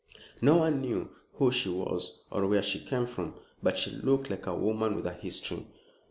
No one knew who she was or where she came from, but she looked like a woman with a history.